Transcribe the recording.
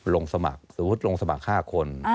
ลงสมัครสมมุติลงสมัคร๕คน